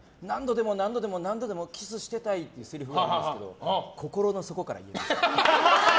何度でも何度でもキスしてたいっていうせりふがあるんですけど心の底から言えました。